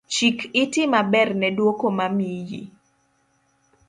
Chik iti maber ne dwoko mimiyi